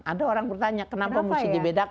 ada orang bertanya kenapa mesti dibedakan